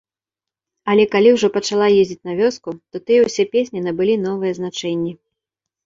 Але калі ўжо пачала ездзіць на вёску, то тыя ўсе песні набылі новыя значэнні.